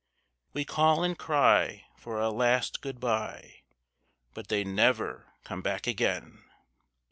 We call and cry for a last good bye, But they never come back again.